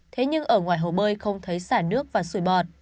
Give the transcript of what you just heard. thế nhưng ở ngoài hồ bơi không thấy sản nước và suối bọt